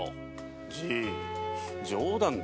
じい冗談だ。